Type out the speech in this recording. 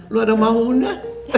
lu ada maunya